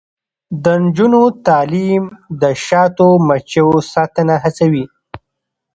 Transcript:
د نجونو تعلیم د شاتو مچیو ساتنه هڅوي.